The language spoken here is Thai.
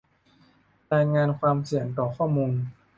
รายงานความเสี่ยงต่อข้อมูล